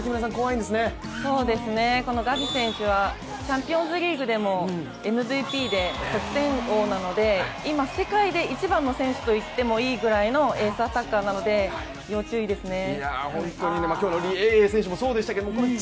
このガビ選手はチャンピオンズリーグでもＭＶＰで得点王なので今、世界で一番の選手といってもいいぐらいのエースアタッカーなので要注意ですね。